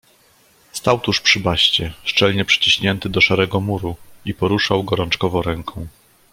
"Stał tuż przy baszcie, szczelnie przyciśnięty do szarego muru i poruszał gorączkowo ręką."